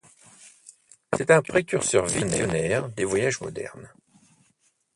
C'est un précurseur visionnaire des voyages modernes.